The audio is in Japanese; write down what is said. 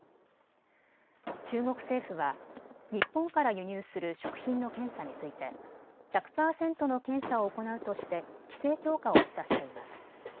中国政府は日本から輸入する食品の検査について１００％の検査を行うとして規制強化を示唆しています。